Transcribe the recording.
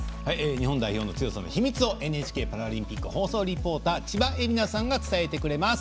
日本代表の強さの秘密をＮＨＫパラリンピック放送リポーター千葉絵里菜さんが伝えてくれます。